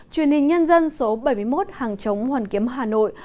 truyền hình nhân dân số bảy mươi một hàng chống hoàn kiếm hà nội